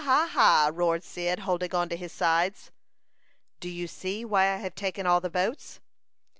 ha, ha!" roared Cyd, holding on to his sides. "Do you see why I have taken all the boats?"